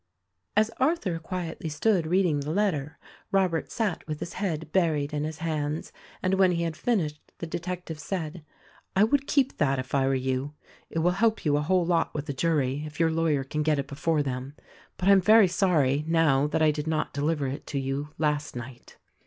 As Arthur quietly stood reading the letter Robert sat with his head buried in his hands ; and when he had finished the detective said, "I would keep that if I were you — it will help you a whole lot with a jury, if your lawyer can get it before them. But I am very sorry, now, that I did not deliver it to you last night."